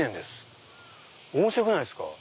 面白くないですか？